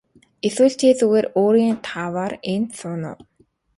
Эсвэл чи зүгээр өөрийн тааваар энд сууна уу.